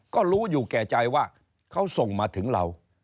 ก็รู้อยู่แก่ใจว่าเขาส่งมาถึงเรา